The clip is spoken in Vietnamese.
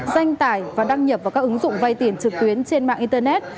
danh tải và đăng nhập vào các ứng dụng vay tiền trực tuyến trên mạng internet